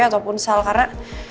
ataupun sal karena